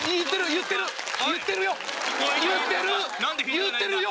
言ってるよ！